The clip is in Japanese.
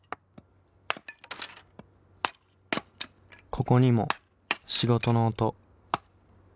ここにも仕事の音。